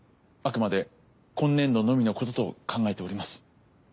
あくまで今年度のみのことと考えております。